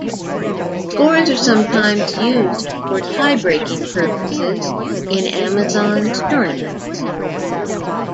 Scores are sometimes used for tie-breaking purposes in Amazons tournaments.